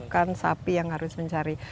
kan sapi yang harus mencari